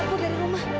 tabur dari rumah